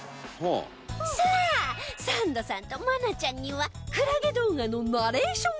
さあサンドさんと愛菜ちゃんにはクラゲ動画のナレーション